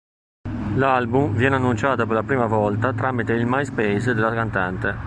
L'album viene annunciato per la prima volta tramite il Myspace della cantante.